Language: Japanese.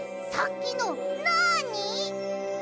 さっきのなに？